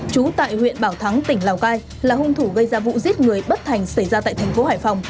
trú tại huyện bảo thắng tỉnh lào cai là hung thủ gây ra vụ giết người bất thành xảy ra tại thành phố hải phòng